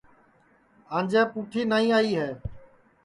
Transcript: انجے پُٹھی نائی آئی ہے